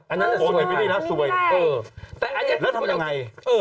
อันนั้นจะสวยค่ะอันนี้ไม่ได้เออแล้วทำยังไงเออ